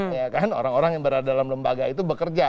ya kan orang orang yang berada dalam lembaga itu bekerja